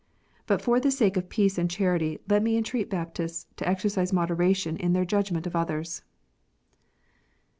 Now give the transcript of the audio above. But for the sake of peace and charity, let me entreat Baptists to exercise moderation in their judgment of others.